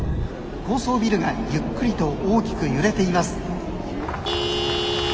高層ビルがゆっくりと大きく揺れています」。